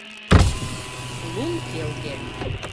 Лум келге.